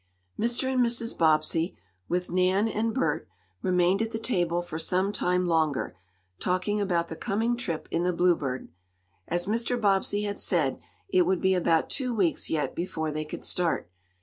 Mr. and Mrs. Bobbsey, with Nan and Bert, remained at the table for some time longer, talking about the coming trip in the Bluebird. As Mr. Bobbsey had said, it would be about two weeks, yet, before they could start.